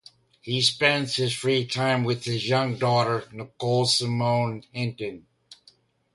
He spends his free time with his young daughter Nicole Simone Henton.